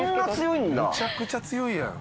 むちゃくちゃ強いやん。